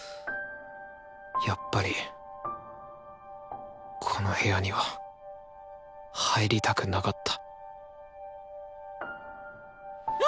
やっぱりこの部屋には入りたくなかったあ！